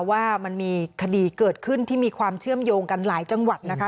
ว่ามันมีคดีเกิดขึ้นที่มีความเชื่อมโยงกันหลายจังหวัดนะคะ